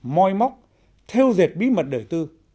môi móc theo dệt bí mật đời tư